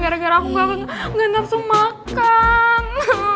gara gara aku gak nafsu makan